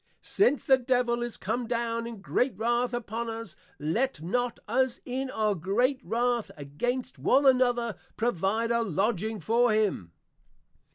_ Since the Devil is come down in great wrath upon us, let not us in our great wrath against one another provide a Lodging for him.